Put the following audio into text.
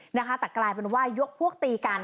นะคะแต่กลายเป็นว่ายกพวกตีกัน